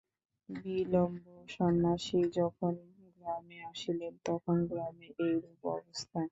বিল্বন সন্ন্যাসী যখন গ্রামে আসিলেন তখন গ্রামের এইরূপ অবস্থা।